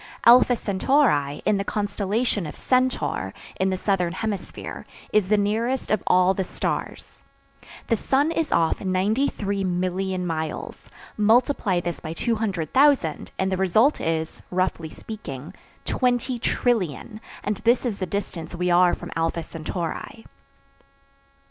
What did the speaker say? Alpha Centauri, in the constellation of Centaur, in the Southern Hemisphere, is the nearest of all the stars. The sun is off 93,000,000 miles; multiply this by 200,000, and the result is, roughly speaking, 20,000,000,000,000; and this is the distance we are from Alpha Centauri.